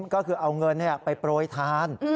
ก็คือเอาเงินไปโปรยทาน